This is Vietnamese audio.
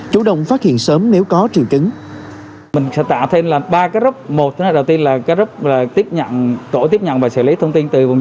chủ động phát hiện sớm nếu có